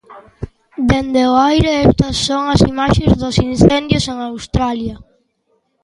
Dende o aire, estas son as imaxes dos incendios en Australia.